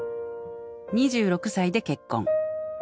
２６歳で結婚。